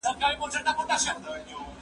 هغه څوک چي خواړه ورکوي مرسته کوي!!